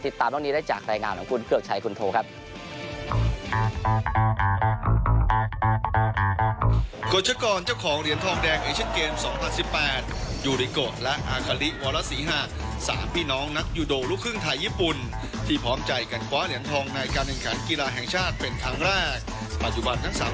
ตามเรื่องนี้ได้จากรายงานของคุณเกือกชัยคุณโทครับ